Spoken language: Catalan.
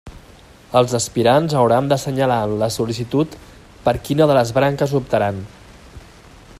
Els aspirants hauran d'assenyalar en la sol·licitud per quina de les branques optaran.